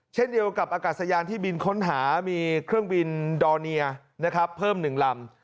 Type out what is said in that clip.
เช่นเดียวกับอากาศยานที่บินค้นหามีเครื่องบินดอร์เนียนะครับเพิ่ม๑ลำ